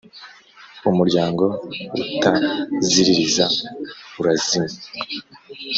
Umuryango utaziririza urazima